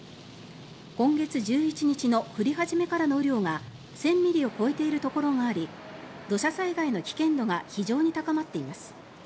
今月１１日の降り始めからの雨量が１０００ミリを超えているところがあり土砂災害の危険度が非常に高まっています。